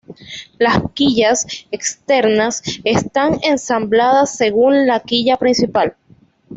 Las quillas externas están ensambladas según la quilla principal.